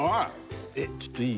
えっちょっといい？